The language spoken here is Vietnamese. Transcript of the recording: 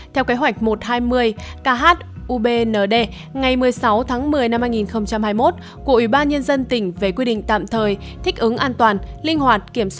theo kế hoạch một trăm hai mươi kh ubnd ngày một mươi sáu tháng một mươi năm hai nghìn hai mươi